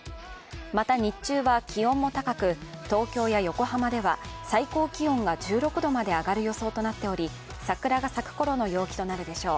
また日中は気温も高く、東京や横浜では最高気温が１６度まで上がる予想となっており、桜が咲く頃の陽気となるでしょう。